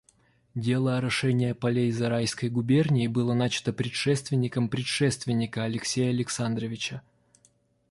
Дело орошения полей Зарайской губернии было начато предшественником предшественника Алексея Александровича.